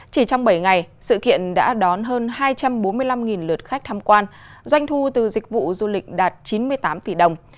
chỉ trong bảy ngày sự kiện đã đón hơn hai trăm bốn mươi năm lượt khách tham quan doanh thu từ dịch vụ du lịch đạt chín mươi tám tỷ đồng